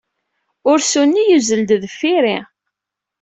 Ursu-nni yuzzel-d deffir-i.